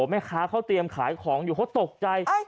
แม่ค้าเขาเตรียมขายของอยู่เขาตกใจ